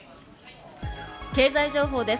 経済情報です。